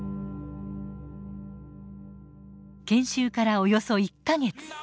研修からおよそ１か月。